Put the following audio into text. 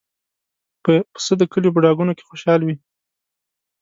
پسه د کلیو په ډاګونو کې خوشحال وي.